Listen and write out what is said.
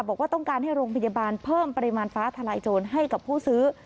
บอกว่าต้องการให้โรงพยาบาลเพิ่มปริมาณฟ้าทลายโจรให้กับผู้ซื้อ